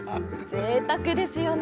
ぜいたくですよね。